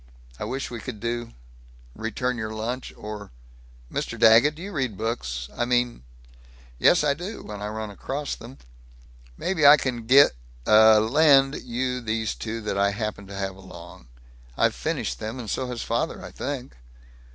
I wish we could do Return your lunch or Mr. Daggett! Do you read books? I mean " "Yes I do, when I run across them." "Mayn't I gi lend you these two that I happen to have along? I've finished them, and so has father, I think."